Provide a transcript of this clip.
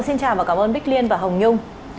xin chào và cảm ơn bích liên và hồng nhung